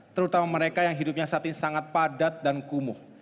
terutama mereka yang hidupnya saat ini sangat padat dan kumuh